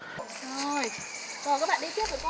rồi các bạn đi tiếp